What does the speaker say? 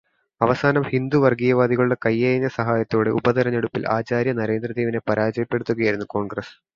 അവസാനം ഹിന്ദു വര്ഗീയവാദികളുടെ കയ്യയഞ്ഞ സഹായത്തോടെ ഉപതെരെഞ്ഞെടുപ്പില് ആചാര്യ നരേന്ദ്രദേവിനെ പരാജയപ്പെടുത്തുകയായിരുന്നു കോണ്ഗ്രസ്സ്.